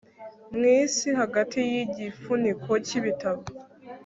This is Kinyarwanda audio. mwisi hagati yigifuniko cyibitabo